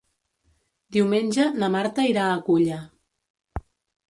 Diumenge na Marta irà a Culla.